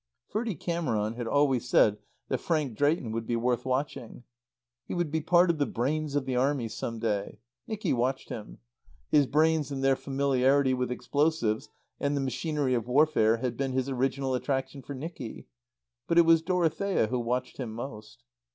Ferdie Cameron had always said that Frank Drayton would be worth watching. He would be part of the brains of the Army some day. Nicky watched him. His brains and their familiarity with explosives and the machinery of warfare had been his original attraction for Nicky. But it was Dorothea who watched him most.